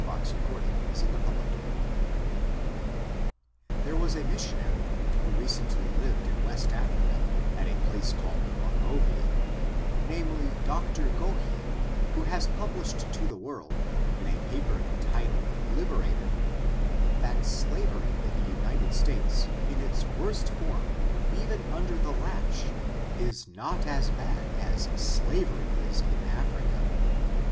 Gen. ia, S3 ; Joska* ix, fX There was a missionary, who recently lived in West Africa, at a place called Monrovia, namely, Dr. Goheen, who has published to the world, in a paper entitled Liberator, that slavery in the United States, in its worst form, even under the lash, is not as bad as slavery is in Africa.